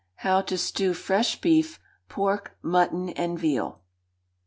How to Stew Fresh Beef, Pork, Mutton, and Veal.